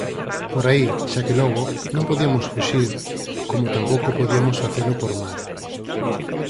Por aí, xa que logo, non podiamos fuxir, como tampouco podiamos facelo por mar.